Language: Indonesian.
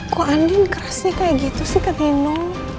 kok andiin kerasnya kayak gitu sih ke nino